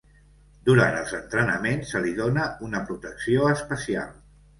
Durant els entrenaments, se li dóna una protecció especial.